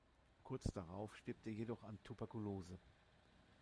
Kurz darauf stirbt er jedoch an Tuberkulose.